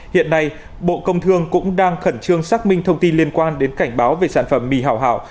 hiện nay bộ công thương cũng đang khẩn trương xác minh thông tin liên quan đến cảnh báo về sản phẩm mì hảo